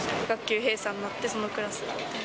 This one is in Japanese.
学級閉鎖になって、そのクラ